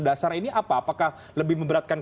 dasar ini apa apakah lebih memberatkan